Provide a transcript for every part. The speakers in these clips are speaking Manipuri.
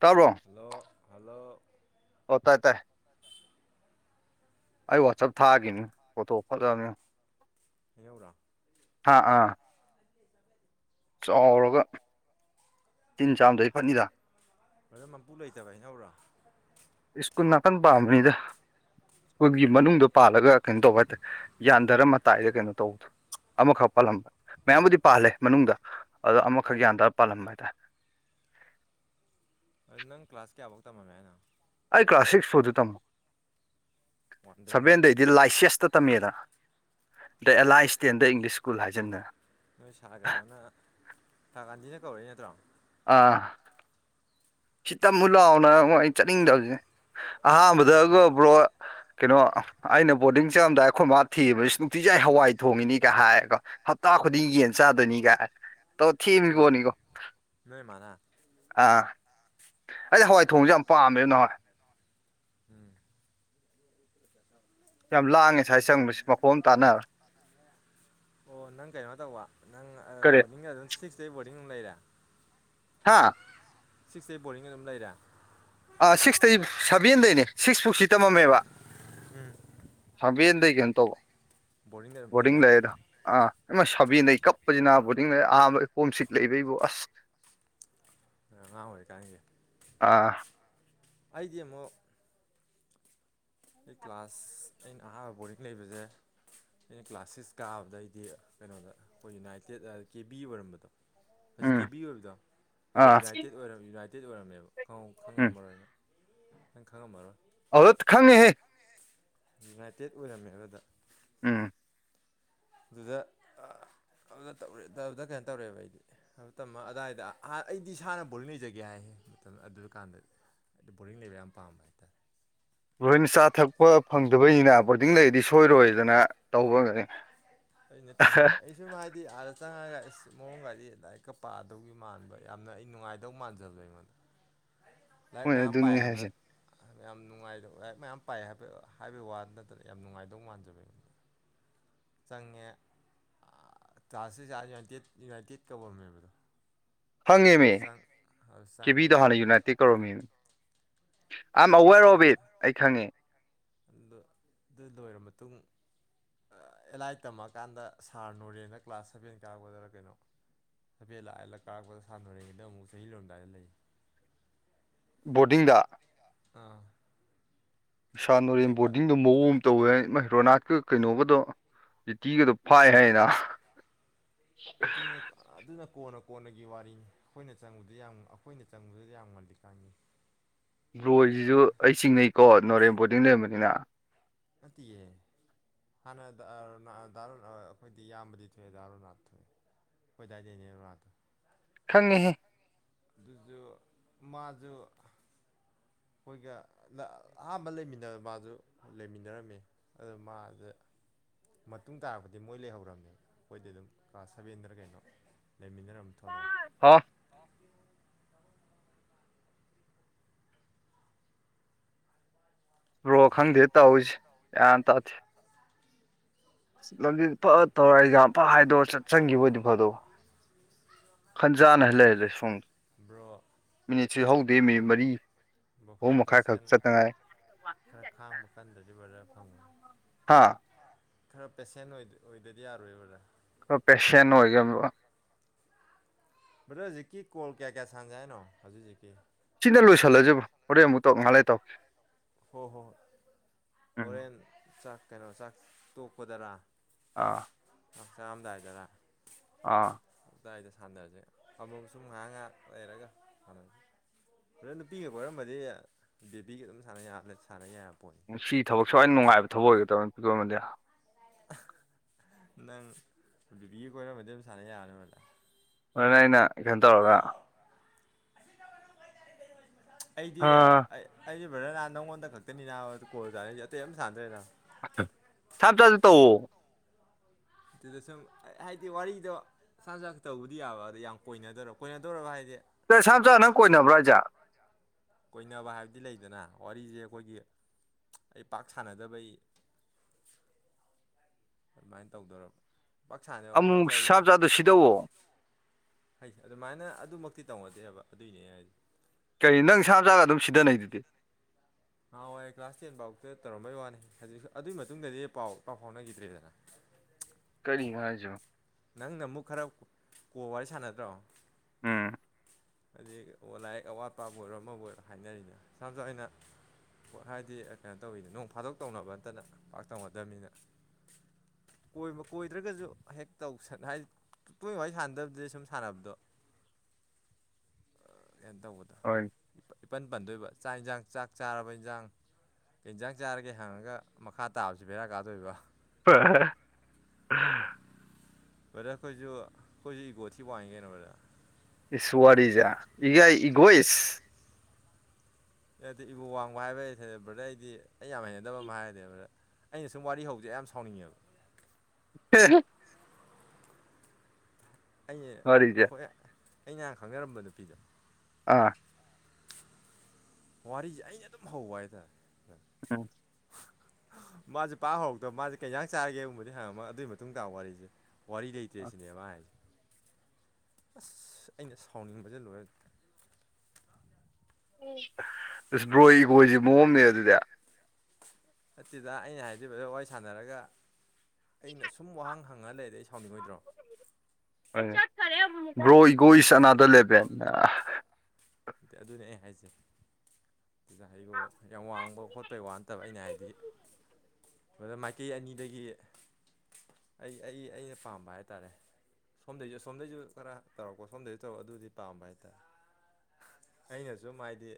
ꯇꯥꯕ꯭ꯔꯣ ꯍꯜꯂꯣ ꯍꯜꯂꯣ ꯑꯣ ꯇꯥꯏ ꯇꯥꯏ ꯑꯩ ꯋꯥꯆꯞ ꯊꯥꯈꯤꯅꯤ ꯐꯣꯇꯣ ꯐꯖꯕꯅꯦ ꯌꯦꯉꯣ ꯍꯩꯅꯧꯔ ꯍꯥꯥ ꯑꯥ ꯆꯥꯎꯔꯒ ꯇꯤꯟ ꯆꯥꯔꯝꯗꯗꯤ ꯐꯠꯅꯤꯗ ꯐꯖꯝ ꯃꯄꯨ ꯂꯩꯇꯕ ꯍꯥꯏꯩꯅꯧꯔꯣ ꯁ꯭ꯀꯨꯜ ꯅꯥꯀꯟ ꯄꯥꯝꯕꯅꯤꯗ ꯁ꯭ꯀꯨꯜꯒꯤ ꯃꯅꯨꯡꯗ ꯄꯥꯜꯂꯒ ꯀꯩꯅꯣ ꯇꯧꯕ ꯍꯥꯏꯇꯥꯔꯦ ꯌꯥꯟꯊꯔ ꯃꯇꯥꯏꯗ ꯀꯩꯅꯣ ꯇꯧꯕꯗꯣ ꯑꯃꯈꯛ ꯄꯥꯜꯂꯝꯕ ꯃꯌꯥꯝꯕꯨꯗꯤ ꯄꯥꯜꯂꯦ ꯃꯅꯨꯡꯗ ꯑꯗꯣ ꯑꯃꯈꯛ ꯌꯥꯜꯗꯔꯒ ꯄꯥꯜꯂꯝꯕ ꯍꯥꯏꯇꯥꯔꯦ ꯅꯪ ꯀ꯭ꯂꯥꯁ ꯀꯌꯥꯐꯧ ꯇꯝꯃꯃꯦ ꯍꯥꯏꯅꯣ ꯑꯩ ꯀ꯭ꯂꯥꯁ ꯁꯤꯛꯁ ꯐꯧꯗꯤ ꯇꯝ ꯋꯥꯟꯗꯩꯅ ꯁꯚꯦꯟꯗꯩ ꯗꯤ ꯂꯥꯏꯁꯦꯁꯇ ꯇꯝꯃꯦꯗ ꯗ ꯑꯦꯜꯂꯥꯏ ꯁ꯭ꯇꯦꯟꯗ ꯏꯪꯂꯤꯁ ꯁ꯭ꯀꯨꯜ ꯍꯥꯏꯁꯤꯟꯗꯅ ꯅꯣꯏ ꯁꯥ ꯀꯅꯣꯅ ꯁꯥꯔ ꯒꯟꯙꯤꯅ ꯀꯧꯔꯛꯏ ꯅꯠꯇ꯭ꯔꯣ ꯑꯥ ꯁꯤ ꯇꯝꯨ ꯂꯥꯎꯅ ꯑꯃꯨꯛ ꯑꯩꯅ ꯆꯠꯅꯤꯡꯗꯕꯁꯦ ꯑꯍꯥꯟꯕꯗꯒ ꯕ꯭ꯔꯣ ꯀꯩꯅꯣ ꯑꯩꯅ ꯕꯣꯔꯗꯤꯡ ꯆꯠꯂꯝꯝꯗꯥꯏ ꯑꯩꯈꯣꯏ ꯃꯥ ꯊꯤꯕꯁꯨ ꯅꯨꯡꯇꯤꯖꯥꯏ ꯍꯋꯥꯏ ꯊꯣꯡꯉꯤꯅꯤꯒ ꯍꯥꯏꯀꯣ ꯍꯞꯇꯥ ꯈꯨꯗꯤꯡꯒꯤ ꯌꯦꯅ ꯆꯥꯗꯣꯏꯅꯤꯒꯥꯏ ꯅꯣꯏ ꯃꯥ ꯅꯣꯏ ꯃꯥꯗꯥ ꯑꯥ ꯑꯩ ꯍꯋꯥꯏ ꯊꯣꯡꯁꯦ ꯌꯥꯝ ꯄꯥꯝꯃꯦꯕ ꯅꯍꯣꯏ ꯎꯝ ꯌꯥꯝ ꯂꯥꯡꯉꯦ ꯉꯁꯥꯏ ꯆꯪꯕꯁꯤꯦ ꯃꯈꯣ ꯑꯃ ꯇꯥꯟꯅꯔ ꯑꯣ ꯅꯪ ꯀꯩꯅꯣ ꯇꯧꯕ ꯅꯪ ꯀꯔꯤ ꯕꯣꯔꯗꯤꯡꯗ ꯑꯗꯨꯝ ꯁꯤꯛꯁꯇ ꯕꯣꯔꯗꯤꯡ ꯑꯗꯨꯝ ꯂꯩꯔꯦ ꯍꯥꯥ ꯁꯤꯛꯁ ꯗ ꯕꯣꯔꯡꯒ ꯑꯗꯨꯝ ꯂꯩꯔꯦ ꯁꯤꯛꯁꯇꯩ ꯁꯚꯦꯟꯗꯩꯅꯦ ꯁꯤꯛꯁ ꯄꯨꯛꯁꯤ ꯇꯝꯃꯝꯃꯦꯕ ꯎꯝ ꯁꯝꯕꯦꯟꯗꯒꯤꯩ ꯀꯩꯅꯣ ꯇꯧꯕ ꯕꯣꯔꯗꯤꯡꯗ ꯑꯗꯨꯝ ꯕꯣꯔꯗꯤꯡ ꯂꯩꯔꯦ ꯂꯩꯔꯦꯗ ꯑꯥ ꯏꯃ ꯁꯥꯕꯤ ꯂꯩꯩ ꯀꯞꯄꯁꯤꯅꯕꯨꯗꯤꯡꯅ ꯑꯍꯥꯟꯕ ꯏ ꯀꯣꯝ ꯁꯤꯠ ꯂꯩꯕꯩꯕꯨ ꯑꯁ ꯑꯉꯥꯡ ꯑꯣꯏꯔꯤꯀꯥꯟꯒꯤ ꯑꯥ ꯑꯩꯗꯤ ꯃꯣ ꯑꯩ ꯀ꯭ꯂꯥꯁ ꯑꯩꯅ ꯑꯍꯥꯟꯕ ꯕꯣꯔꯤꯡ ꯂꯩꯕꯁꯦ ꯑꯩꯅ ꯀ꯭ꯂꯥꯁ ꯁꯤꯛꯁ ꯀꯥꯕꯗ ꯑꯩꯗꯤ ꯀꯩꯅꯣꯗ ꯑꯩꯈꯣꯏ ꯌꯨꯅꯥꯏꯇꯦꯠ ꯀꯦ ꯕꯤ ꯑꯣꯏꯔꯝꯕꯗꯣ ꯍꯧꯖꯤꯛ ꯎꯝ ꯀꯦꯕꯤ ꯑꯣꯏꯕꯗꯣ ꯍꯥꯟꯅ ꯑꯥ ꯌꯨꯅꯥꯏꯇꯦꯠ ꯑꯣꯏꯔ ꯌꯨꯅꯥꯏꯇꯦꯠ ꯑꯣꯏꯔꯝꯃꯦꯕ ꯎꯝ ꯈꯪꯉꯝꯃꯔꯣꯏꯅ ꯅꯪ ꯈꯪꯉꯝꯃꯔꯣꯏ ꯑꯗ ꯈꯪꯉꯍꯦ ꯌꯨꯅꯥꯏꯇꯦꯠ ꯑꯣꯏꯔꯝꯃꯦꯕꯗ ꯎꯝ ꯑꯗꯨꯗ ꯑꯗꯨ ꯇꯧꯔꯗ ꯀꯩꯅꯣ ꯇꯧꯔꯛꯦꯕ ꯑꯩꯗꯤ ꯊ ꯇꯝꯃ ꯑꯋꯥꯏꯗ ꯑꯩꯗꯤ ꯏꯁꯥꯅ ꯕꯣꯂꯤꯡ ꯂꯩꯖꯒꯦ ꯍꯥꯏ ꯃꯇꯝ ꯑꯗꯨ ꯀꯥꯟꯗꯗꯤ ꯍꯥꯏꯗꯤ ꯕꯔꯤꯡ ꯂꯩꯕ ꯌꯥꯝ ꯄꯥꯝꯕ ꯍꯥꯏꯇꯥꯔꯦ ꯂꯣꯏꯅ ꯆꯥ ꯊꯛꯄ ꯐꯪꯗꯕꯅꯤꯅ ꯣꯔꯗꯤꯡ ꯂꯩꯗꯤ ꯁꯣꯏꯔꯣꯏꯗꯅ ꯇꯧꯕ ꯉꯅꯤ ꯑꯩ ꯅꯠꯇ ꯑꯩ ꯑꯁꯨꯝ ꯍꯥꯏꯗꯤ ꯑꯥꯗ ꯆꯪꯉꯒ ꯑꯩꯁ ꯃꯑꯣꯡ ꯒꯥꯔꯤ ꯂꯗꯥꯔꯤꯛꯀ ꯄꯥꯗꯧꯒꯤ ꯃꯥꯟꯕ ꯌꯥꯝꯅ ꯑꯩ ꯉꯥꯏꯇꯦ ꯑꯗꯨꯗꯧ ꯃꯥꯟꯖꯕꯗ ꯑꯩꯉꯣꯟꯗ ꯂꯥꯏꯔꯤꯛ ꯍꯣꯏ ꯃꯌꯥꯝ ꯑꯗꯨꯅꯤ ꯄꯥꯏꯕ ꯍꯥꯏꯁꯦ ꯌꯥꯝ ꯅꯨꯡꯉꯥꯏꯕ ꯂꯥꯏ ꯃꯌꯥꯝ ꯄꯥꯏ ꯍꯥꯏꯕ ꯍꯥꯏꯕꯒꯤ ꯋꯥ ꯅꯠꯇꯅ ꯌꯥꯝ ꯅꯨꯡꯉꯥꯏꯗꯧ ꯃꯥꯟꯖꯕ ꯆꯪꯉꯦ ꯇꯥꯁꯤ ꯌꯨꯅꯥꯏꯇꯦꯠ ꯌꯨꯅꯥꯏꯇꯦꯠ ꯀꯧꯔꯝꯃꯦꯕꯗꯣ ꯍꯪꯉꯦꯃꯦ ꯑꯗꯨ ꯆꯪ ꯑꯗꯨ ꯆꯪꯉꯦ ꯀꯦꯕꯤꯗ ꯍꯥꯟꯅ ꯌꯨꯅꯥꯏꯇꯦꯠ ꯀꯧꯔꯝꯃꯦ ꯑ ꯑꯗꯨ ꯑꯋꯦꯔ ꯆꯪ ꯑꯗꯨ ꯑꯣꯐ ꯏꯠ ꯑꯩ ꯈꯪꯉꯦ ꯑꯗꯨ ꯑꯗꯨ ꯂꯣꯏꯔꯕ ꯃꯇꯨꯡ ꯑꯦꯂꯥꯏꯠ ꯇꯝꯃꯛꯀꯥꯟꯗ ꯁꯥꯔ ꯅꯣꯔꯦꯅ ꯀ꯭ꯂꯥꯁ ꯁꯚꯦꯟ ꯀꯥꯛꯗꯔ ꯀꯩꯅꯣ ꯊꯐꯦꯜꯠ ꯂꯥꯛꯑꯜꯂ ꯀꯥꯔꯛꯄꯗ ꯁꯥꯟꯅꯔꯤꯉꯩꯗ ꯑꯃꯨꯛ ꯆꯍꯤ ꯂꯣꯝꯗꯥꯏꯗ ꯂꯩ ꯕꯣꯔꯗꯤꯡꯗ ꯑꯥ ꯏꯁꯥ ꯅꯣꯔꯦꯟ ꯑꯩ ꯕꯣꯔꯗꯤꯡꯗꯣ ꯃꯑꯣꯡ ꯑꯃ ꯇꯧꯋꯦ ꯃꯍꯩꯔꯣꯅꯥꯠꯀ ꯀꯩꯅꯣꯒꯗꯣ ꯔꯤꯇꯤꯒꯗꯣ ꯐꯩ ꯍꯥꯏꯗ ꯑꯗꯨꯅ ꯑꯗꯨꯅ ꯀꯣꯟꯅ ꯀꯣꯟꯅꯒꯤ ꯋꯥꯔꯤꯅꯤ ꯑꯩꯈꯣꯏꯅ ꯆꯪꯕꯗ ꯌꯥꯝ ꯑꯩꯈꯣꯏꯅ ꯆꯪꯕꯗꯨꯗ ꯌꯥꯝ ꯃꯜꯂꯤꯀꯥꯉꯤ [inaudible] ꯕꯣꯏꯁꯤꯁꯨ ꯑꯩ ꯆꯤꯡꯅꯩꯀꯣ ꯅꯣꯔꯦꯝ ꯕꯣꯔꯗꯤꯡ ꯂꯩꯔꯝꯕꯅꯤꯅ ꯑꯗꯤ ꯍꯥꯟꯅ ꯗꯥꯔꯣ ꯑꯩꯈꯣꯏꯗꯤ ꯌꯥꯝꯌꯥꯝꯕꯗꯤ ꯊꯣꯛꯑꯦ ꯗꯥꯔꯣꯟ ꯅꯥ ꯊꯣꯛꯑꯦ ꯀꯣꯏꯗꯥꯏꯗꯅꯦ ꯔꯥꯗꯣ ꯈꯪꯉꯤꯍ ꯑꯗꯨꯖꯨ ꯃꯥꯁꯨ ꯑꯩꯈꯣꯏꯒ ꯑꯍꯥꯟꯕ ꯂꯩꯃꯤꯟꯅꯕ ꯃꯥꯗꯨ ꯂꯩꯃꯤꯟꯅꯔꯝꯃꯤ ꯑꯗꯨ ꯃꯥꯁ ꯃꯇꯨꯡ ꯇꯥꯔꯔꯕꯗꯤ ꯃꯣꯏ ꯂꯩꯍꯧꯔꯝꯃꯦ ꯑꯩꯈꯣꯏꯗꯤ ꯑꯗꯨꯝ ꯀ꯭ꯂꯥꯁ ꯁꯕꯦꯟꯗꯅ ꯀꯩꯅꯣ ꯂꯩꯃꯤꯟꯅꯔꯝ ꯊꯣꯛꯂꯦ ꯍꯥ ꯔꯣꯕ ꯈꯪꯗꯦ ꯇꯧꯔꯤꯁꯦ ꯒꯌꯥꯟ ꯇꯥꯗꯦ ꯑ [unintelligible] ꯂꯝꯖꯤꯜ ꯐꯥꯠ ꯇꯧꯔ ꯑꯦꯛꯖꯥꯝ ꯐꯥꯠ ꯍꯥꯏꯗꯣꯛ ꯁꯠ ꯆꯪꯈꯤꯕ ꯑꯣꯢꯗꯤ ꯐꯥꯗꯧꯕ ꯈꯟꯖꯥꯅ ꯍꯜꯂ ꯂꯩꯍꯥꯜꯂꯦ ꯁꯣꯝꯗ ꯕ꯭ꯔꯣ ꯃꯤꯅꯤꯠꯁꯨ ꯍꯧꯗꯦ ꯃꯤꯅꯤꯠ ꯃꯔꯤ ꯕ꯭ꯔꯣ ꯑꯍꯨꯝ ꯈꯔ ꯃꯈꯥꯏ ꯈꯛ ꯄꯦꯁꯦꯟ ꯆꯠꯇ ꯉꯥꯏꯔꯤ ꯈꯔ ꯈꯥꯡꯕ ꯀꯟꯗꯗꯤ ꯕꯔꯗꯥꯔ ꯐꯪꯉꯣꯢ ꯍꯥꯥ ꯈꯔ ꯄꯦꯁꯦꯟ ꯑꯣꯏꯗꯗꯤ ꯌꯥꯔꯣꯏ ꯕ꯭ꯔꯥꯗꯥꯔ ꯄꯦꯁꯟ ꯑꯣꯏꯒ [inaudible] ꯕ꯭ꯔꯗꯔ ꯍꯧꯖꯤꯛꯀꯤ ꯀꯣꯜ ꯀꯌꯥ ꯀꯌꯥ ꯁꯥꯡꯖꯦ ꯍꯥꯏꯅꯣ ꯍꯧꯖꯤꯛ ꯍꯧꯖꯤꯛꯀꯤ ꯁꯤꯟꯅ ꯂꯣꯏꯁꯤꯜꯂꯁꯤꯕꯣ ꯍꯣꯔꯦꯟ ꯑꯃꯨꯛ ꯇꯧ ꯉꯍꯥꯛ ꯂꯩꯔꯥ ꯇꯧ ꯍꯣ ꯍꯣ ꯎꯝ ꯍꯣꯔꯦꯟ ꯆꯥꯛ [inaudible] ꯀꯩꯅꯣ ꯆꯥꯛ ꯇꯣꯛꯄꯗꯔꯥ ꯑꯥ ꯆꯥꯛ ꯆꯔꯝꯗꯥꯢꯗꯔꯥ ꯑꯥ ꯑꯗꯥꯏꯗ ꯁꯥꯟꯅꯔꯁꯦ ꯑꯃꯨꯛ ꯁꯨꯝ ꯉꯥꯏꯍꯥꯛ ꯉꯥꯏꯍꯥꯛ ꯂꯩꯔꯒ ꯁꯥꯟꯅꯁꯦ ꯕꯥꯔꯗꯥꯔ ꯅꯨꯄꯤꯒ ꯀꯣꯏꯔꯝꯃꯗꯤ ꯕꯦꯕꯤꯒ ꯑꯗꯨꯝ ꯁꯥꯟꯅ ꯌꯥ ꯁꯥꯟꯅ ꯌꯥꯕ ꯄꯣꯠꯅꯤ ꯁꯤ ꯊꯕꯛ ꯁꯨꯥꯏꯅ ꯅꯨꯡꯉꯥꯏꯕ ꯊꯕꯛ ꯑꯣꯏꯒꯗꯧꯔꯅꯤ ꯄꯄꯤꯛꯃꯗꯤ [inaudible] ꯅꯪ ꯕꯦꯕꯤꯒ ꯀꯣꯏꯔꯝꯃꯗꯤ ꯑꯗꯨꯝ ꯁꯥꯟꯅ ꯌꯥꯔꯕꯅꯦ ꯕꯥꯔꯗꯥꯔ ꯑꯗꯨꯅꯦ ꯑꯩꯅ ꯀꯩꯅꯣ ꯇꯧꯔꯒ ꯑꯩꯗꯤ ꯑꯥ ꯑꯩ ꯑꯩꯗꯤ ꯕ꯭ꯔꯗꯔꯅꯥ ꯅꯪꯉꯣꯟꯗ ꯈꯛꯇꯅꯤꯅꯥ ꯀꯣꯜ ꯁꯥꯟꯅꯩꯁꯤ ꯑꯇꯩ ꯑꯃꯝ ꯁꯥꯟꯅꯗꯔꯦ ꯅ ꯆꯞ ꯆꯥꯁꯨ ꯇꯧꯋ [inaudible] ꯑꯗꯨꯗ ꯁꯨꯝ ꯍꯥꯏꯗꯤ ꯋꯥꯔꯤꯗꯣ ꯁꯥꯅꯤ ꯃꯆꯥꯗꯣ ꯇꯧꯕꯕꯨꯗꯤ ꯌꯥꯕ ꯑꯗ ꯌꯥꯝ ꯀꯣꯏꯅꯗꯣꯏꯔ ꯀꯣꯏꯅꯗꯧꯒ ꯍꯥꯏꯗꯤ ꯁꯥꯅꯥ ꯃꯆꯥꯒ ꯅꯪ ꯀꯣꯏꯅꯕ꯭ꯔꯥ ꯍꯥꯢꯖꯦ ꯀꯣꯏꯅꯕ ꯍꯥꯏꯕꯗꯤ ꯂꯩꯗꯅ ꯋꯥꯔꯤꯁꯦ ꯑꯩꯈꯣꯏꯒꯤ ꯑꯩ ꯄꯥꯛ ꯁꯥꯟꯅꯗꯕꯩ ꯑꯗꯨꯃꯥꯏꯅ ꯇꯧꯗꯧꯔꯕ ꯄꯥꯛꯁꯥꯅꯗꯦꯕ ꯁꯥꯅꯥ ꯃꯆꯥ ꯑꯗꯨ ꯁꯤꯗꯧꯑꯣ ꯍꯥꯏꯁ ꯑꯗꯨꯃꯥꯏꯅ ꯑꯗꯨꯃꯛꯇꯤ ꯇꯧꯅꯗꯦꯕ ꯑꯗꯨꯏꯅꯦ ꯍꯥꯏꯗꯤ ꯀꯔꯤ ꯅꯪ ꯁꯥꯅꯥꯝꯆꯥꯒ ꯑꯗꯨꯝ ꯁꯤꯗꯅꯩꯗꯨꯗꯤ ꯅꯍꯥꯟꯋꯥꯏ ꯀ꯭ꯂꯥꯁ ꯇꯦꯟ ꯐꯥꯎꯗ ꯇꯧꯔꯝꯕꯩ ꯋꯥꯅꯤ ꯍꯧꯖꯤꯛ ꯑꯗꯨꯒꯤ ꯃꯇꯨꯡꯗꯗꯤ ꯄꯥꯎ ꯄꯥꯎ ꯐꯥꯎꯅꯈꯤꯗ꯭ꯔꯦꯗꯅ ꯀꯔꯤꯅꫭ ꯍꯥꯏꯖꯤꯕꯨ ꯅꯪꯅ ꯑꯃꯨꯛ ꯈꯔ ꯀꯣꯜ ꯋꯥꯔꯤ ꯁꯥꯟꯅꯗ꯭ꯔꯣ ꯎꯝ ꯍꯥꯏꯗꯤ ꯂꯥꯏꯔꯤꯛ ꯑꯋꯥꯠꯄꯕꯨ ꯑꯣꯏꯔꯣ ꯑꯃꯕꯨ ꯑꯣꯏꯔꯣ ꯍꯥꯏꯅꯔꯤꯅ ꯁꯥꯅꯥꯃꯆꯥꯗ ꯄꯣꯠ ꯍꯥꯏꯗꯤ ꯀꯩꯅꯣ ꯇꯧꯋꯤꯅꯦ ꯅꯣꯡ ꯐꯥꯗꯣꯛ ꯇꯧꯅꯕ ꯑꯇꯅ ꯄꯥꯛ ꯇꯧꯅꯗꯕꯅꯤꯅ ꯀꯣꯏꯕ ꯀꯣꯏꯗ꯭ꯔꯒꯁꯨ ꯍꯦꯛ ꯇꯧꯁ ꯍꯥꯏ ꯇꯨꯢꯅ ꯋꯥꯔꯤꯗꯕꯩ ꯁꯥꯟꯗꯕꯗꯨꯗꯤ ꯁꯨꯝ ꯁꯥꯟꯅꯕꯗꯣ ꯍꯦꯛ ꯇꯧꯕꯗ ꯍꯣꯏ ꯏꯄꯟ ꯄꯟꯗꯣꯏꯕ ꯆꯥꯛ ꯌꯦꯟꯁꯥꯡ ꯆꯥꯛ ꯆꯥꯔꯕ ꯏꯟꯖꯥꯡ ꯌꯦꯟꯖꯥꯡ ꯆꯥꯔꯒꯦ ꯍꯪꯉꯒ ꯃꯈꯥ ꯇꯥꯕꯕꯁꯤ ꯕꯦꯔꯥ ꯀꯥꯗꯣꯏꯕ ꯍꯣꯏ [inaudible] ꯕꯥꯔꯗꯥꯔ ꯑꯩꯈꯣꯏꯁꯨ ꯑꯩꯈꯣꯏꯁꯨ ꯏꯒꯣ ꯊꯤ ꯋꯥꯡꯏ ꯀꯩꯅꯣ ꯕꯥꯔꯗꯥꯔ ꯁꯋꯥꯔꯤꯖ ꯏꯒ ꯏꯒꯣꯏꯁ [inaudible] ꯑꯦ ꯅꯠꯇꯦ ꯏꯒꯣ ꯋꯥꯡꯕ ꯍꯥꯏꯕ ꯌꯥꯔꯦ ꯕ꯭ꯔꯗ ꯑꯩꯗꯤ ꯑꯩ ꯌꯥꯝ ꯍꯩꯅꯗꯕ ꯑꯃ ꯍꯥꯏꯔꯗꯤꯅꯦ ꯕ [inaudible] ꯑꯩꯅ ꯁꯨꯝ ꯋꯥꯔꯤ ꯍꯧꯁꯦ ꯌꯥꯝ ꯁꯥꯎꯅꯤꯡꯉꯦꯕ ꯍꯣꯏ ꯍꯣꯏ [inaudible] ꯑꯩ ꯋꯥꯔꯤꯁꯦ ꯑꯩꯈꯣꯏ ꯑꯩꯅ ꯍꯥꯟꯅ ꯈꯪꯅꯔꯝꯕ ꯅꯨꯄꯤꯗꯣ ꯑꯥ ꯋꯥꯔꯤꯖꯦ ꯑꯩꯅ ꯑꯗꯨꯝ ꯍꯧꯕ ꯍꯥꯏꯇꯥꯔꯦ ꯎꯝ ꯃꯥꯖꯦ ꯄꯥꯛ ꯍꯧꯔꯛꯇꯕ ꯃꯥꯁꯦ ꯀꯩꯏꯟꯁꯥꯡ ꯆꯥꯔꯒꯦꯒꯨꯝꯕꯗꯤ ꯍꯪꯉꯝꯃꯒ ꯑꯗꯨꯒꯤ ꯃꯇꯨꯡ ꯇꯥꯕ ꯋꯥꯔꯤꯁꯦ ꯋꯥꯔꯤ ꯂꯩꯇ꯭ꯔꯦ ꯁꯤꯅꯦ ꯃꯥ ꯍꯥꯏꯁꯦ ꯑꯁ ꯑꯩꯅ ꯁꯥꯎꯅꯤꯡꯕꯖꯦ ꯂꯣꯏꯔꯦ ꯑꯁ ꯕ꯭ꯔꯣꯏꯒꯤ ꯈꯨꯀꯣꯏꯖꯦ ꯃꯑꯣꯡ ꯑꯃꯅꯤ ꯑꯗꯨꯗꯤ ꯑꯠꯇꯦꯗ ꯑꯩꯅ ꯍꯥꯏꯗꯤ ꯕ꯭ꯔꯗ ꯋꯥꯔꯤ ꯁꯥꯟꯅꯔꯒ ꯑꯩꯅ ꯁꯨꯝ ꯋꯥꯍꯪ ꯍꯪꯉ ꯂꯩꯔꯗꯤ ꯑꯩ ꯁꯥꯎꯅꯤꯡꯉꯣꯏꯗ꯭ꯔꯣ ꯆꯠꯀꯔꯦ ꯑꯃꯨꯛ ꯑꯗꯨ ꯕ꯭ꯔꯣꯒꯤꯒꯣꯏ ꯑꯗꯨ ꯏꯁ ꯑꯅꯥꯗꯔ ꯂꯦꯕꯦꯟ ꯇꯦ ꯑꯗꯨꯅꯦ ꯑꯩ ꯍꯥꯏꯖꯦ [unintelligible] ꯕ꯭ꯔꯗ ꯃꯥꯏꯀꯩ ꯑꯅꯤꯗꯒꯤ ꯑꯩ ꯑꯩ ꯑꯩꯅ ꯄꯥꯝꯕ ꯍꯥꯏꯇꯥꯥꯔꯦ ꯊꯣꯝꯗꯩꯁꯨ ꯁꯣꯝꯗꯩꯖꯨ ꯈꯔ ꯇꯧꯔꯛꯄ ꯁꯣꯝꯗꯩ ꯇꯧꯔꯛꯄ ꯑꯗꯨꯗꯤ ꯄꯥꯝꯕ ꯍꯥꯏꯇꯥ ꯑꯩꯅ ꯁꯨꯝ ꯍꯥꯏꯗꯤ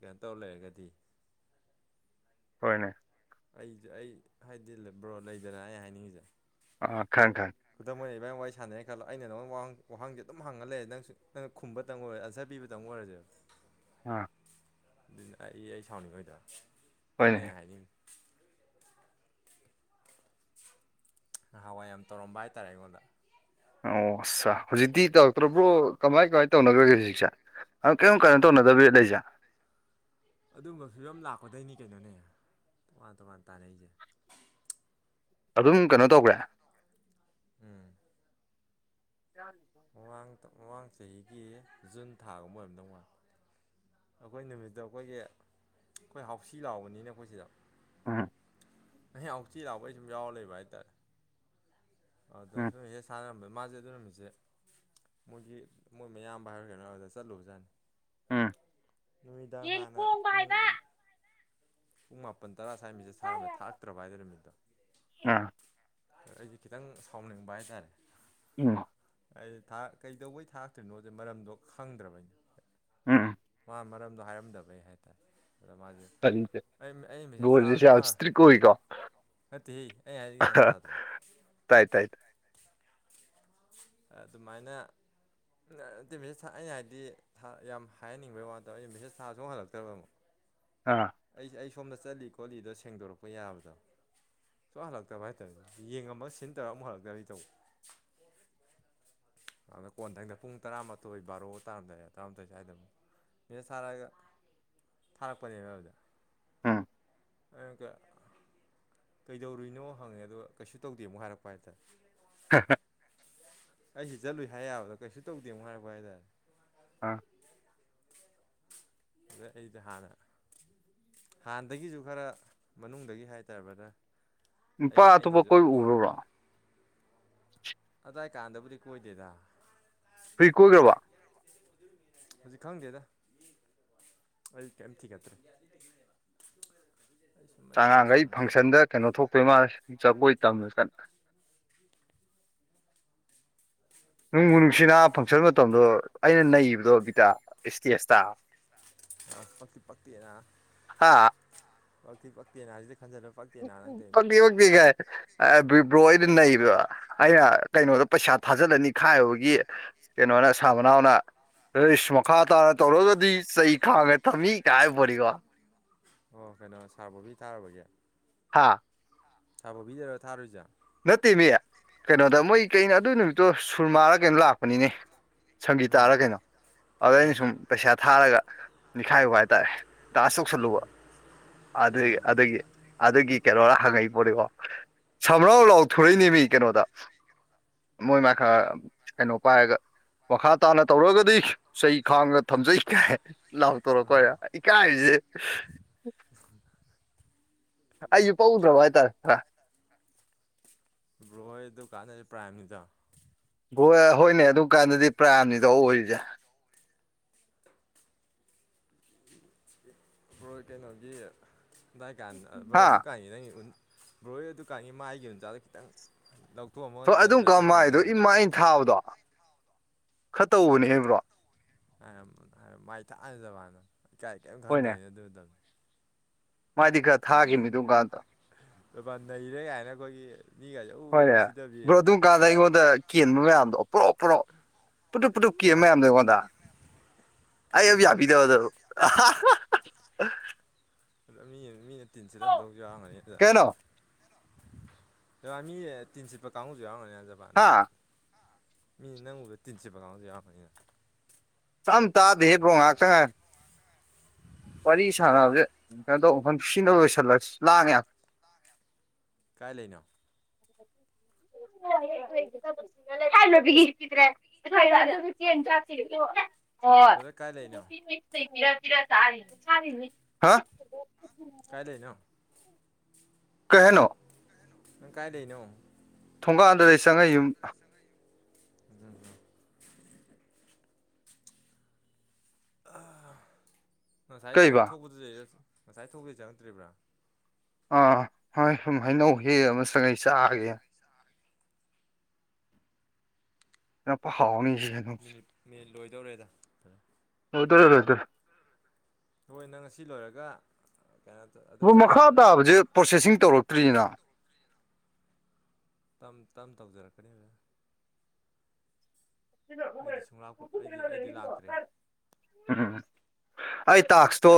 ꯀꯩꯅꯣ ꯇꯧ ꯂꯩꯔꯒꯗꯤ ꯍꯣꯏꯅꯦ ꯑꯩꯖꯦ ꯑꯩ ꯍꯥꯏꯗꯤ ꯕ꯭ꯔꯣ ꯂꯩꯗꯅ ꯑꯩ ꯍꯥꯏꯅꯤꯡꯉꯤꯖꯦ ꯑꯥ ꯈꯪꯉꯦ ꯈꯪꯉꯦ ꯈꯨꯗꯝ ꯑꯣꯏꯅ ꯏꯕꯥꯅꯤ ꯋꯥꯔꯤ ꯁꯥꯅꯔꯦ ꯈꯜꯂꯣ ꯑꯩꯅ ꯅꯉꯣꯡ ꯋꯥꯍꯪ ꯋꯥꯍꯪꯖꯦ ꯑꯗꯨꯝ ꯍꯪꯉ ꯂꯩ ꯅꯪꯁꯨ ꯅꯪꯅ ꯈꯨꯝꯕ ꯇꯪ ꯑꯣꯏ ꯑꯟꯁꯔ ꯄꯤꯕꯗꯪ ꯑꯣꯏꯔꯖꯦ ꯑꯥ ꯑꯗꯨꯅꯦ ꯑꯩ ꯑꯩ ꯁꯥꯎꯅꯤꯡꯉꯣꯏꯗ꯭ꯔ ꯑꯗꯨꯅꯦ ꯍꯣꯏꯅꯦ ꯑꯩ ꯍꯥꯏꯅꯤꯡ ꯅꯍꯥꯟꯋꯥꯏ ꯌꯥꯝ ꯇꯧꯔꯝꯕ ꯍꯥꯏꯇꯥꯔꯦ ꯑꯩꯉꯣꯟꯗ ꯑꯣ ꯑꯥꯁꯥ ꯎꯝ ꯍꯨꯖꯤꯠꯇꯤ ꯇꯧꯔꯛꯇ꯭ꯔꯕ꯭ꯔꯣ ꯀꯃꯥꯏ ꯀꯃꯥꯏ ꯇꯧꯅꯒ꯭ꯔꯒꯦ ꯍꯧꯖꯤꯛꯁꯦ ꯪ ꯑꯥ ꯀꯩꯏꯝ ꯀꯩꯅꯣ ꯇꯧꯅꯗꯕꯤꯗ ꯂꯩꯖꯦ ꯑꯗꯨꯝꯕ ꯐꯤꯕꯝ ꯂꯥꯛꯄꯗꯩꯅꯤ ꯀꯩꯅꯣꯅꯦ ꯇꯣꯉꯥꯟ ꯇꯣꯉꯥꯟ ꯇꯥꯔꯡꯏꯖꯦ ꯑꯗꯨꯝ ꯀꯩꯅꯣ ꯇꯧꯒ꯭ꯔꯦ ꯎꯝ [inaudible] ꯃꯃꯥꯡ ꯃꯃꯥꯡ ꯆꯍꯤꯒꯤ ꯖꯨꯟ ꯊꯥꯒꯨꯝꯕ ꯑꯣꯏꯔꯝꯗꯧ ꯄꯥꯂꯦ ꯑꯈꯣꯏ ꯅꯨꯃꯤꯠꯇꯣ ꯑꯩꯈꯣꯏꯒꯤ ꯑꯈꯣꯏ ꯍꯥꯎꯁꯤ ꯂꯥꯎꯕꯅꯤꯅꯦ ꯑꯈꯣꯏ ꯁꯤꯗ ꯎꯝ ꯑꯩꯅ ꯍꯥꯎꯁꯤ ꯂꯥꯎꯕꯩ ꯁꯨꯝ ꯌꯥꯎꯔ ꯂꯩꯕ ꯍꯥꯏꯇꯥꯔꯦ ꯑꯗꯥ ꯎꯝ ꯁꯨ ꯃꯦꯁꯦꯁ ꯊꯥꯔꯛꯑꯝꯕ ꯃꯥꯖꯦ ꯑꯗꯨ ꯅꯨꯃꯤꯠꯁꯦ ꯃꯣꯏꯒꯤ ꯃꯣꯏ ꯃꯌꯥꯝꯕ ꯍꯥꯏꯕ꯭ꯔꯥ ꯀꯩꯅꯣ ꯑꯗꯨꯗ ꯆꯠꯂꯨꯕ ꯖꯥꯠꯅꯤ ꯎꯝ ꯅꯨꯃꯤꯗꯥꯡ ꯍꯥꯟꯅ ꯄꯨꯡ ꯄꯨꯡ ꯃꯥꯄꯟ ꯇꯔꯥ ꯁ꯭ꯋꯥꯏ ꯃꯤꯁꯦꯁ ꯊꯔꯝꯃꯦ ꯊꯥꯔꯛꯇ꯭ꯔꯕ ꯑꯗꯨ ꯅꯨꯃꯤꯠꯇꯣ ꯑꯥ ꯑꯩꯗꯤ ꯈꯤꯇꯪ ꯁꯥꯎꯅꯤꯡꯕ ꯍꯥꯏꯇꯥꯔꯦ ꯎꯝ ꯑꯩꯗꯤ ꯊꯥꯛ ꯀꯩꯗꯧꯕꯩ ꯊꯥꯛꯇ꯭ꯔꯤꯅꯣꯗ ꯃꯔꯝꯗꯣ ꯈꯪꯗ꯭ꯔꯕꯅꯤ ꯎꯝ ꯃꯥ ꯃꯔꯝꯗꯣ ꯍꯥꯏꯔꯝꯗꯕꯩ ꯍꯥꯏꯇꯥꯏ ꯑꯗꯣ ꯃꯥꯖꯦ ꯀꯔꯤꯁꯦ ꯑꯩ ꯑꯩꯝ ꯃꯦꯁꯦ ꯊꯥ ꯕ꯭ꯔꯣꯁꯤꯁꯨ ꯌꯥꯝ ꯁꯨꯍꯟ ꯏꯁꯇ꯭ꯔꯤꯛ ꯑꯣꯏꯀꯣ ꯅꯠꯇꯦꯍꯦ ꯑꯩ ꯍꯥꯏꯖꯦ ꯒꯦꯌꯥꯟ ꯇꯥꯗ꯭ꯔꯥ ꯇꯥꯏ ꯇꯥꯏ ꯑꯗꯨꯃꯥꯏꯅ ꯅꯇꯦ ꯃꯦꯁꯦꯁ ꯊꯥ ꯑꯩꯅ ꯍꯥꯏꯗꯤ ꯊꯥ ꯌꯥꯝ ꯍꯥꯏꯍꯟꯅꯤꯡꯕꯩ ꯋꯥ ꯅꯠꯇꯕ ꯑꯩꯅ ꯃꯦꯁꯦꯁ ꯊꯥꯕꯁꯨ ꯁꯨꯍꯟ ꯍꯜꯂꯛꯇ꯭ꯔꯃꯨꯛ ꯑꯥ ꯑꯩꯖꯤ ꯑꯩ ꯁꯣꯝꯗ ꯆꯠꯂꯤ ꯀꯣꯂꯤꯗꯣ ꯁꯦꯡꯗꯣꯔꯛꯄ ꯌꯥꯕꯗꯣ ꯁꯨꯍꯜ ꯍꯂꯛꯇꯕ ꯍꯥꯏꯇꯥꯏ ꯌꯦꯡꯉꯃ ꯁꯤꯟ ꯇꯧꯔꯥ ꯑꯃꯨꯛ ꯍꯜꯂꯛꯇꯕꯤ ꯇꯧꯕ ꯑ ꯀꯣꯟꯊꯪꯗ ꯄꯨꯡ ꯇꯔꯥꯃꯥꯊꯣꯏ ꯕꯥꯔꯣ ꯇꯔꯥꯝꯗꯥꯏꯗ ꯇ꯭ꯔꯥꯃꯊꯣꯏ ꯁ꯭ꯋꯥꯏꯗꯝ ꯃꯤꯁꯦꯁ ꯊꯥꯔꯛꯑꯒ ꯊꯥꯔꯛꯄꯅꯦꯅ ꯑꯗꯨꯗ ꯎꯝ [unintelligible] ꯀꯩꯗꯧꯔꯨꯏꯅꯣ ꯍꯪꯉꯦ ꯑꯗꯨꯒ ꯀꯩꯁꯨ ꯇꯧꯗꯦ ꯑꯃꯨꯛ ꯍꯥꯏꯔꯛꯄ ꯍꯥꯏꯇꯥꯔꯦ [unintelligible] ꯑꯩꯁꯤ ꯆꯠꯂꯨꯏ ꯍꯥꯏ ꯌꯥꯕꯗꫭ ꯀꯩꯁꯨ ꯇꯧꯗꯦ ꯃꯨꯛ ꯍꯥꯏꯔꯛꯄ ꯍꯥꯏꯇꯥꯔꯦ ꯑꯥ ꯑꯗ ꯑꯩꯗ ꯍꯥꯟꯅ ꯍꯥꯟꯅꯗꯒꯤꯁꯨ ꯈꯔ ꯃꯅꯨꯡꯗꯒꯤ ꯍꯥꯏꯇꯥꯔꯦ ꯕ꯭ꯔꯗ ꯅꯨꯄꯥ ꯑꯩ ꯑꯇꯣꯞꯄ ꯑꯩꯅꯁꯨ ꯀꯣꯏꯕ ꯎꯈ꯭ꯔꯕ꯭ꯔꯣ ꯑꯗꯥꯋꯥꯏ ꯀꯥꯟꯗꯕꯨꯗꯤ ꯀꯣꯏꯗꯦꯗ [unintelligible] ꯍꯧꯖꯤꯛ ꯈꯪꯗꯦꯗ ꯑꯩ ꯀꯩꯝ ꯊꯨꯒꯠꯇ꯭ꯔꯦ ꯑꯩ ꯁꯨꯝ ꯑꯩ ꯌꯥꯝ ꯑꯉꯥꯡꯈꯩ ꯁꯥꯎꯅꯤꯡꯉ ꯐꯪꯁꯟꯗ ꯀꯩꯅꯣ ꯊꯣꯛꯇꯣꯏ ꯃꯥꯜꯂꯦ ꯖꯒꯣꯏ ꯇꯝ ꯆꯠ [unintelligible] ꯁꯤꯅ ꯐꯪꯁꯟ ꯃꯇꯝꯗꯣ ꯑꯩꯅ ꯅꯩꯕꯗꯣ ꯕꯤꯇꯥ ꯏꯁꯇꯦꯖꯇ ꯑꯁ ꯄꯛꯇꯤ ꯄꯛꯇꯦ ꯅꯥꯕ ꯍꯥ ꯄꯛꯇꯤ ꯄꯛꯇꯦ ꯅꯥ ꯁꯤꯗ ꯈꯟꯖꯜꯂ ꯄꯛ ꯄꯛꯇꯤ ꯄꯛꯇꯦ ꯀꯥꯏ ꯑꯦ ꯑꯗꯨꯏ ꯕ꯭ꯔꯣ ꯑꯩꯩꯅ ꯅꯩꯕꯗꫭ ꯑꯩꯅ ꯀꯩꯅꯣꯗ ꯄꯩꯁꯥ ꯊꯥꯖꯤꯜꯂ ꯅꯤꯈꯥꯏꯔꯨꯕꯒꯤ ꯀꯩꯅꯣꯅ ꯁꯥ ꯃꯅꯥꯎꯅ ꯑꯩꯁ ꯃꯈꯥ ꯇꯥꯅ ꯇꯧꯔꯒꯗꯤ ꯆꯩ ꯈꯥꯡꯉ ꯊꯝꯃꯤ ꯀꯥꯏ ꯍꯥꯏꯄꫭꯠꯅꯤꯀꫭ ꯑꯣ ꯀꯩꯅꯣ ꯁꯥꯔ ꯕꯣꯕꯤ ꯇꯥꯔꯨꯕꯒꯤ ꯍꯥꯥ ꯁꯥꯥꯔ ꯕꫭꯕꯤꯗꯔ ꯊꯥꯔꯨꯏꯁꯦ ꯅꯠꯇꯦꯃꯤ ꯀꯩꯅꯣꯗ ꯃꯣꯏ ꯀꯩꯅꯣ ꯑꯗꯨꯏ ꯅꯨꯃꯤꯠꯇꯣ ꯁꯨꯔꯃꯥꯥꯔ ꯀꯩꯅꯣ ꯂꯥꯛꯄꯅꯤꯅꯦ ꯎꯝ ꯁꯪꯒꯤꯇꯥꯔ ꯀꯩꯅꯣ ꯑꯗꯨꯗ ꯑꯩꯅ ꯎꯝ ꯁꯨꯝ ꯄꯩꯁꯥ ꯊꯥꯔꯒ ꯅꯤꯛꯈꯥꯏ ꯔꯨꯕ ꯍꯥꯏꯇꯥꯔꯦ ꯗꯥꯟꯁ ꯎꯝ ꯇꯧꯁꯜꯂꯨꯕ ꯑꯗꯨꯏ ꯑꯥ ꯑꯗꯨꯒꯤ ꯑꯗꯨꯒꯤ ꯀꯩꯅꯣꯔ ꯍꯪꯉꯛꯏ ꯄꫭꯠꯅꯤꯀꯣ ꯄꯨꯂꯥꯎ ꯂꯥꯎꯊꯣꯔꯛꯏꯅꯦ ꯃꯤ ꯀꯩꯅꯣꯗ ꯃꯣꯏ ꯃꯥꯏꯀ꯭ꯔ ꯀꯩꯅꯣ ꯄꯥꯏꯔꯒ ꯃꯈꯥ ꯇꯥꯅ ꯇꯧꯔꯛꯑꯒꯗꯤ ꯆꯩ ꯈꯥꯡꯒ ꯊꯝꯖꯩ ꯂꯥꯎꯊꫭꯔꯛ ꯑꯍꯣ ꯄꯩꯔꯥ ꯏꯀꯥꯏꯕꯁꯤꯗꯤ ꯑꯩꯖꯨ ꯄꯛꯎꯗ꯭ꯔꯕ ꯍꯥꯏ ꯇꯥꯔꯦ ꯈꯔ ꯕ꯭ꯔꯣ ꯍꯣꯏ ꯑꯗꯨ ꯀꯥꯟꯗꯗꯤ ꯄ꯭ꯔꯥꯏꯝꯅꯤꯗꫭ ꯍꯣꯏꯅꯦ ꯑꯗꯨ ꯀꯥꯟꯗꯗꯤ ꯄ꯭ꯔꯥꯏꯝꯅꯤꯗꫭ ꯑꯣꯏꯔꯤꯁꯦ ꯕ꯭ꯔꫭ ꯀꯩꯅꯣꯒꯤ ꯑꯗꯥꯏꯀꯥꯟ ꯕ꯭ꯔꯣ ꯍꯥ ꯑꯗꯨꯀꯥꯟꯒꯤ ꯅꯪꯒꯤ ꯎꯟ ꯕ꯭ꯔꯣ ꯍꫭꯏ ꯑꯗꯨꯀꯥꯟꯒꯤ ꯃꯥꯒꯤ ꯎꯟꯖꯥꯗꫭ ꯈꯤꯇꯪ ꯂꯧꯊꯣꯛꯑꯝꯃꯒ ꯍꯣꯏ ꯑꯗꯨꯝ ꯖꯟꯇ꯭ꯔ ꯀꯥꯟ ꯁꯦꯝ ꯃꯥꯏꯗꯣ ꯌꯥꯅꯤꯅꯦ ꯏꯃꯥ ꯑꯩꯅ ꯊꯥꯕꯗꯣ ꯈꯔ ꯇꯧꯕꯅꯦ ꯍꯦ ꯕ꯭ꯔꯣ ꯃꯥꯏ ꯊꯥꯕꯅꯦ ꯑꯗꯨꯀꯥꯟꯗꫭ ꯏꯀꯥꯏ ꯀꯔꯤꯝ ꯈꯪꯗꯝꯅꯦ ꯑꯗꯨ ꯃꯇꯝꯗꫭ ꯃꯥꯏꯗꯤ ꯈꯔ ꯊꯥꯒꯤꯝꯅꯤ ꯗꯨꯝ ꯀꯥꯟꯗꫭ ꯂꯨꯄꯥ ꯅꯩꯔꯦ ꯌꯥꯏꯅ ꯑꯩꯈꯣꯏꯒꯤ ꯃꯤꯒꯁꯦ ꯎ ꯍꯣꯏꯅꯦ ꯎ ꯁꯤꯊꯕꯤ ꯕ꯭ꯔꯣ ꯑꯗꯨꯝ ꯀꯥꯟꯗ ꯑꯩꯉꯣꯟꯗ ꯀꯦꯟꯕ ꯃꯌꯥꯝꯗꯣ ꯄꫭꯔꫭꯞ ꯄꫭꯔꫭꯞ ꯄꯨꯗꯨꯨꯞ ꯄꯨꯗꯨꯞ ꯎ ꯀꯦꯟꯕ ꯃꯥꯏ ꯃꯌꯥꯝꯗꫭ ꯑꯩꯉꯣꯟꯗ ꯑꯩ ꯑꯝ ꯃꯤꯅ ꯌꯥꯕꯤꯗꯕ ꯗꯨ ꯃꯤ ꯃꯤꯅ ꯇꯤꯟ ꯁꯤꯠꯂꯝꯗꯧꯁꯨ ꯌꯥꯎꯔꯝꯒꯅꯤ ꯑꯗꯨꯗ ꯀꯩꯅꯣ ꯃꯤ ꯇꯤꯟ ꯁꯤꯠꯄꯥ ꯀꯥꯡꯕꯨꯁꯨ ꯌꯥꯔꯝꯒꯅꯤ ꯑꯖꯕ ꯍꯥ ꯅꯪꯕꯨ ꯃꯤ ꯅꯪ ꯎꯕꯗ ꯇꯤꯟꯁꯤꯠꯄ ꯀꯟꯒꯨꯁꯨ ꯌꯥꯎꯔꯝꯅꯤ ꯆꯝ ꯇꯥꯗꯦꯍꯦ ꯕꯔꯣ ꯉꯥꯛꯇ ꯉꯥꯏꯌꯨ ꯋꯥꯔꯤ ꯁꯥꯟꯅꯕꯁꯦ ꯀꯩꯅꯣ ꯇꯧꯕ ꯃꯟ ꯁꯤꯅꯕ ꯂꯣꯏꯁꯤꯜꯂꯁꯤ ꯂꯥꯡꯉꯦ ꯀꯥꯏ ꯂꯩꯅꯣ [unintelligible] [unintelligible] ꯕ꯭ꯔꯗꯔ ꯀꯥꯏ ꯂꯩꯅꯣ ꯍꯥ ꯀꯥꯏ ꯂꯩꯅꯣ ꯀꯩ ꯍꯥꯏꯅꯣ ꯅꯪ ꯀꯥꯏ ꯂꯩꯅꯣ ꯊꯣꯡꯒꯥꯥꯟꯗ ꯂꯩ ꯆꯪꯉ ꯩ ꯌꯨꯝ [unintelligible] ꯉꯁꯥꯏ ꯊꯣꯛ ꯀꯩꯕ ꯊꯣꯛꯄꯗꯨ ꯉꯁꯥꯏ ꯊꯣꯛꯄꯗꯩ ꯆꯪꯉꯛꯇ꯭ꯔꯤꯕ꯭ꯔꯥ ꯑꯥ ꯍꯣꯏ ꯁꯨꯝ ꯍꯩꯅꯧ ꯍꯦꯛ ꯑꯃ ꯁꯉꯩ ꯆꯥꯒꯦꯅꯥ [unintelligible] [unintelligible] ꯍꯥꯎꯅꯤꯁꯤꯗꯤ ꯃꯤꯅꯤꯠ ꯃꯤꯅꯤꯠ ꯂꯣꯏꯗꯧꯔꯦꯗ ꯂꯣꯏꯗꯣꯔꯦ ꯂꯣꯏꯗꯔꯦ ꯍꯣꯏ ꯅꯪ ꯉꯁꯤ ꯂꯣꯏꯔꯒ ꯀꯩꯅꯣ ꯑꯗꯨ ꯃꯈꯥ ꯇꯥꯕꯖꯦ ꯄ꯭ꯔꯣꯁꯦꯁꯤꯡ ꯇꯧꯔꯛꯇ꯭ꯔꯤꯅ ꯇꯝ ꯇꯝ ꯇꯧꯖꯔꯛꯀꯅꯤ ꯑꯩꯗꯤ ꯁꯨꯡꯂꯥꯛꯄꯨꯠ ꯑꯩꯗꯤ ꯑꯩꯗꯤ ꯂꯥꯛꯇ꯭ꯔꯦ ꯎꯝ ꯑꯩ ꯇꯥꯛꯁꯇꯣ